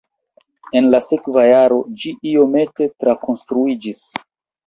En la sekva jaro ĝi iomete trakonstruiĝis.